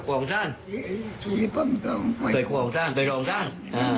ขอให้มันทรัพย์คำของเอง